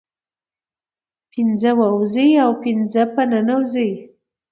پنځه ووزي او پنځه په ننوزي